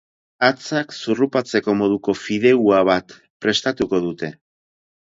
Hatzak zurrupatzeko moduko fideua bat prestatuko dute.